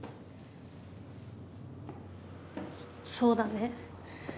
そうだね。